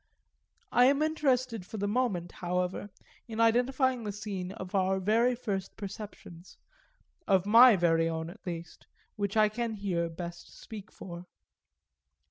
I am interested for the moment, however, in identifying the scene of our very first perceptions of my very own at least, which I can here best speak for.